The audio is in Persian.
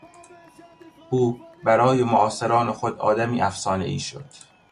او برای معاصران خود آدمی افسانهای شد.